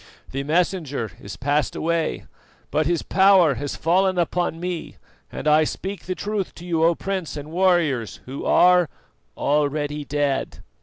The Messenger is passed away, but his power has fallen upon me and I speak the truth to you, O Prince and warriors, who are already dead."